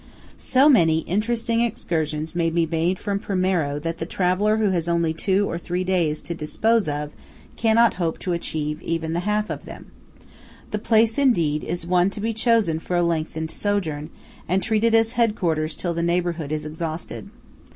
So many interesting excursions may be made from Primiero, that the traveller who has only two or three days to dispose of cannot hope to achieve even the half of them. The place, indeed, is one to be chosen for a lengthened sojourn, and treated as headquarters till the neighbourhood is exhausted.